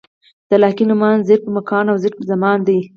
د لاحقې نومان ظرف مکان او ظرف زمان دي.